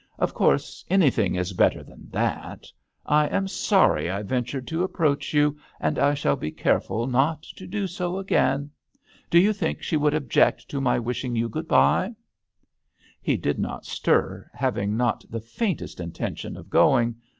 Of course anything is better than that I am sorry I ventured to approach you, and I shall be careful not to do so again. Do you think she would object to my wishing you good bye ?" He did not stir, having not the faintest intention of going.